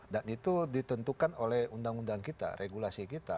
dan itu ditentukan oleh undang undang kita regulasi kita